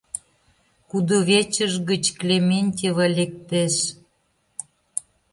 Кудывечыж гыч Клементьева лектеш.